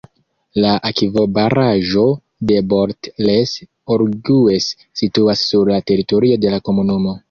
La akvobaraĵo de Bort-les-Orgues situas sur la teritorio de la komunumo.